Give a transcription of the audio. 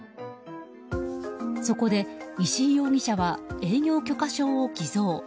そこで、石井容疑者は営業許可証を偽造。